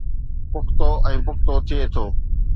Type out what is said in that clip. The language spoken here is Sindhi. پختو ۽ پختو ٿئي ٿو